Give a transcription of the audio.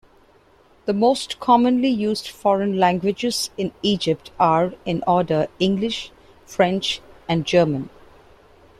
The most-commonly used foreign languages in Egypt are, in order, English, French, and German.